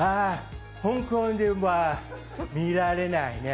香港では見られないね。